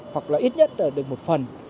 hoặc là ít nhất được một phần